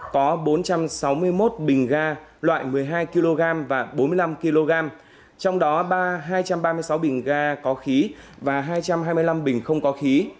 có bốn trăm sáu mươi một bình ga loại một mươi hai kg và bốn mươi năm kg trong đó hai trăm ba mươi sáu bình ga có khí và hai trăm hai mươi năm bình không có khí